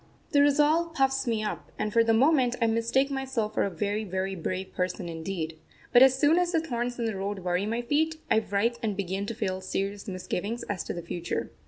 The resolve puffs me up, and for the moment I mistake myself for a very, very brave person indeed. But as soon as the thorns on the road worry my feet, I writhe and begin to feel serious misgivings as to the future.